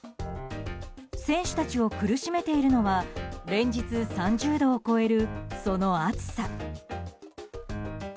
選手たちを苦しめているのは連日３０度を超えるその暑さ。